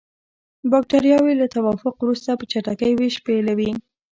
بکټریاوې له توافق وروسته په چټکۍ ویش پیلوي.